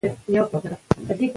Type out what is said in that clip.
که ډالۍ وي نو مینه نه زړیږي.